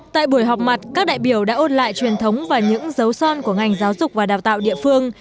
tại buổi họp mặt các đại biểu đã ôn lại truyền thống và những dấu son của ngành giáo dục và đào tạo địa phương